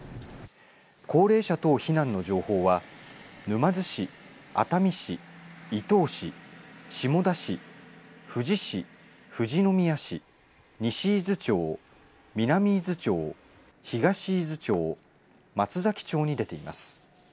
高齢者等避難の情報は沼津市、熱海市、伊東市、下田市、富士市、富士宮市、西伊豆町、南伊豆町、東伊豆町、松崎町に出ています。